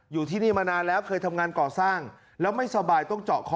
อยู่ที่นี่มานานแล้วเคยทำงานก่อสร้างแล้วไม่สบายต้องเจาะคอ